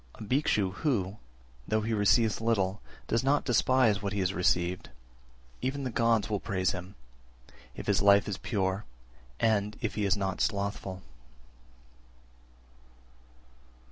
366. A Bhikshu who, though he receives little, does not despise what he has received, even the gods will praise him, if his life is pure, and if he is not slothful.